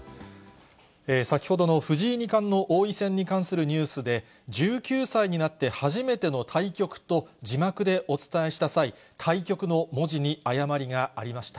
先ほどの藤井二冠の王位戦に関するニュースで、１９歳になって初めての対局と字幕でお伝えした際、対局の文字に誤りがありました。